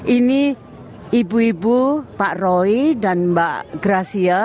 ini ibu ibu pak roy dan mbak gracia